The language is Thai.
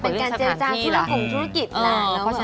ก็เป็นเรื่องสถานที่ละเป็นการเจจาคุณของธุรกิจละ